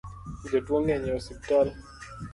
Jotuo ng'eny e osiptal